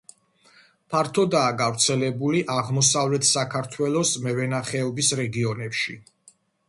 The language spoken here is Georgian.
ფართოდაა გავრცელებული აღმოსავლეთ საქართველოს მევენახეობის რეგიონებში.